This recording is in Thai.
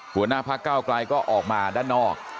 หัวหน้าพักเก้าไกลก็ออกมาด้านนอก